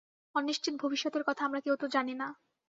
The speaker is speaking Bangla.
অনিশ্চিত ভবিষ্যতের কথা আমরা কেউ তো জানি না।